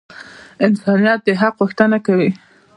انسانیت د حق غوښتنه کوي.